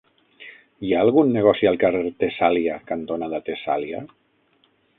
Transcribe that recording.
Hi ha algun negoci al carrer Tessàlia cantonada Tessàlia?